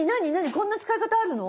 こんな使い方あるの？